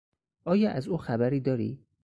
آیا از او خبری داری؟